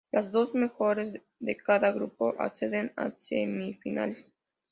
Las dos mejores de cada grupo acceden a semifinales.